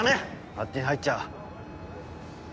勝手に入っちゃ。